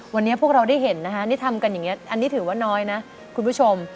วันนี้พวกเราได้เห็นนะคะนี่ทำกันอย่างนี้อันนี้ถือว่าน้อยนะคุณผู้ชม